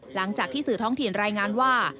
หลังจากที่สื่อท้องถิ่นรายงานว่า